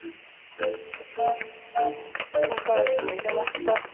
とうがらしも入れました。